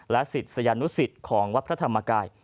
และสิทธิ์สยานุศิษย์ของวัดพระธรรมกาย